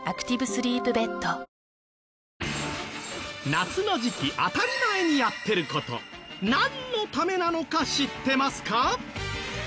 夏の時期当たり前にやってる事なんのためなのか知ってますか？